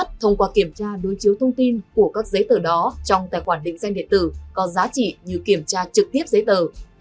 thông qua kiểm tra đối chiếu thông tin của các giấy tờ đó trong tài khoản định danh điện tử có giá trị như kiểm tra trực tiếp giấy tờ